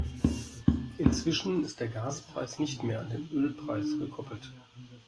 Inzwischen ist der Gaspreis nicht mehr an den Ölpreis gekoppelt.